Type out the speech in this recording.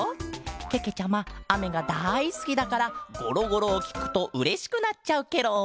けけちゃまあめがだいすきだからゴロゴロをきくとうれしくなっちゃうケロ！